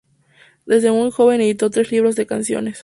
Desde muy joven editó tres libros de canciones.